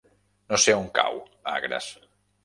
No sé on cau Agres.